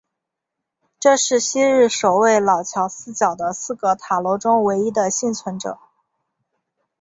这是昔日守卫老桥四角的四个塔楼中唯一的幸存者。